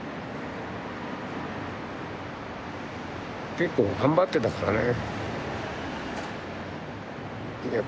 結構頑張ってたからね。